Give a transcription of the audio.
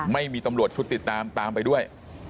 ไม่มีตำรวจชุดติดตามตามไปด้วย